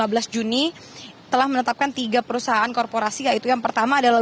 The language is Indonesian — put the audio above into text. yang ketiga yang telah menetapkan tiga perusahaan korporasi yaitu yang pertama adalah